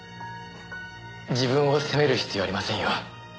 自分を責める必要はありませんよ。